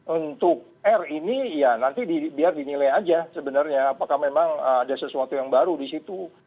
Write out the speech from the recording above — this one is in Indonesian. untuk r ini ya nanti biar dinilai aja sebenarnya apakah memang ada sesuatu yang baru di situ